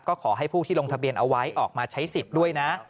ก็ขอให้ผู้ที่ลงทะเบียนเอาไว้ออกมาใช้สิทธิ์ด้วยนะ